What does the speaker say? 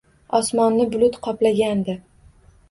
Osmonni bulut qoplagandi.